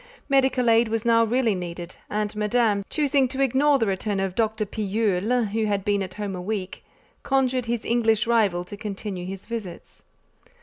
Medical aid was now really needed, and Madame, choosing to ignore the return of Dr. Pillule, who had been at home a week, conjured his English rival to continue his visits.